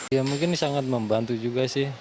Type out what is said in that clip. ya mungkin sangat membantu juga sih